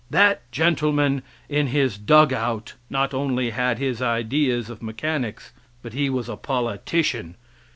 That gentleman in his dugout not only had his ideas of mechanics, but he was a politician.